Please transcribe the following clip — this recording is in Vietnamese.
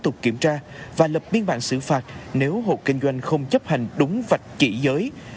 tục kiểm tra và lập biên bản xử phạt nếu hộ kinh doanh không chấp hành đúng vạch chỉ giới